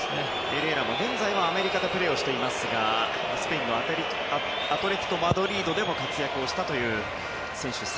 エレーラも現在はアメリカでプレーしていますがスペインのアトレティコ・マドリードでも活躍したという選手です。